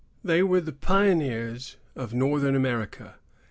They were the pioneers of Northern America.